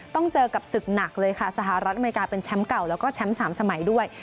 ต้องเจอกับศึกหนักเลยค่ะสหรัฐอเมริกาเป็นแชมป์เก่าแล้วก็แชมป์๓สมัยด้วย